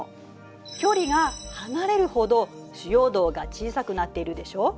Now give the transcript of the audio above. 距離が離れるほど主要動が小さくなっているでしょう。